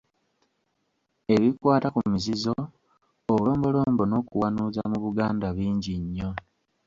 Ebikwata ku mizizo, obulombolombo n'okuwanuuza mu Buganda bingi nnyo.